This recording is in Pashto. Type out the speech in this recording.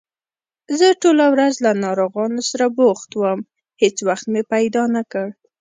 زه ټوله ورځ له ناروغانو سره بوخت وم، هېڅ وخت مې پیدا نکړ